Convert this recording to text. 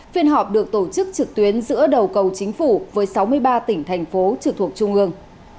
phiên họp được tổ chức trực tuyến giữa đầu cầu chính phủ với sáu mươi ba tỉnh thành phố trực thuộc trung ương